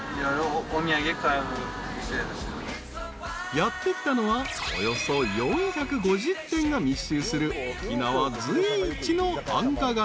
［やって来たのはおよそ４５０店が密集する沖縄随一の繁華街］